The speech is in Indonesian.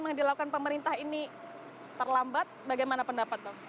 yang dilakukan pemerintah ini terlambat bagaimana pendapat dong